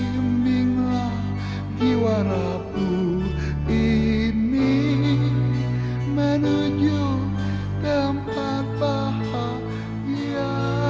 bimbinglah jiwa rabu ini menuju ke tempat bahagia